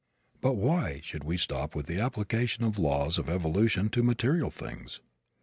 But why should we stop with the application of the laws of evolution to material things?